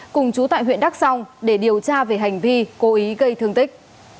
cùng chú tại huyện đắk song để điều tra về hành vi cố ý gây thương tích